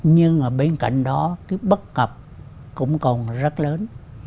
nhưng mà bên cạnh đó cái bất cập cũng còn rất lớn